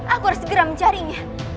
aku harus segera mencarinya